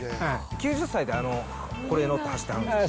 ９０歳でこれに乗って走ってはるんですか。